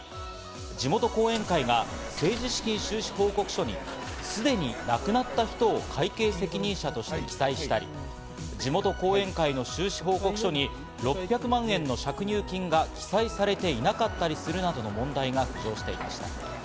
地元後援会が政治資金収支報告書にすでに亡くなった人を会計責任者として記載したり、地元後援会の収支報告書に６００万円の借入金が記載されていなかったりするなどの問題が浮上していました。